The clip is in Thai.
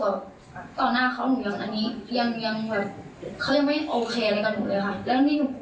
ผมต้องการที่จะคุยกับเขาตอนหน้า